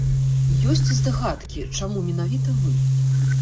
Ёсць здагадкі, чаму менавіта вы?